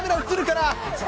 映るかな？